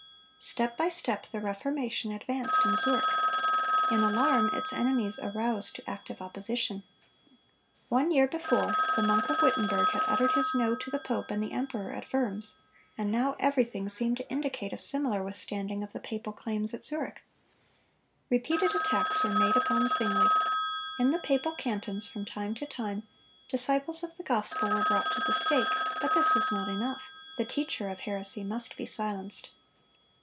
Step by step the Reformation advanced in Zurich. In alarm its enemies aroused to active opposition. One year before, the monk of Wittenberg had uttered his "No" to the pope and the emperor at Worms, and now everything seemed to indicate a similar withstanding of the papal claims at Zurich. Repeated attacks were made upon Zwingle. In the papal cantons, from time to time, disciples of the gospel were brought to the stake, but this was not enough; the teacher of heresy must be silenced.